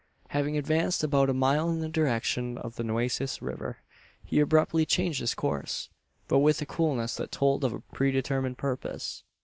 Having advanced about a mile in the direction of the Nueces river, he abruptly changed his course; but with a coolness that told of a predetermined purpose.